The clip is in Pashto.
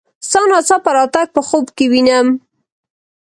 ستا ناڅاپه راتګ په خوب کې وینم.